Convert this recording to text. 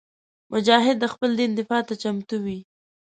مجاهد د خپل دین دفاع ته چمتو وي.